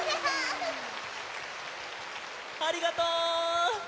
ありがとう！